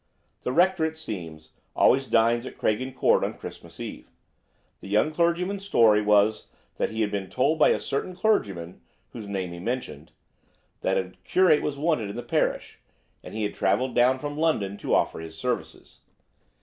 The Rector, it seems, always dines at Craigen Court on Christmas Eve. The young clergyman's story was that he had been told by a certain clergyman, whose name he mentioned, that a curate was wanted in the parish, and he had traveled down from London to offer his services.